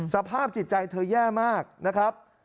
สภาพจิตใจเธอแย่มากนะครับ